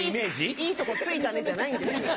いいとこ突いたねじゃないんです。